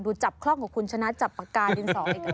ดูจับคล่องกับคุณชนะจับปากกาดินสอไว้กัน